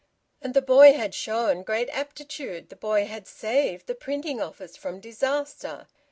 And the boy had shown great aptitude. The boy had saved the printing office from disaster.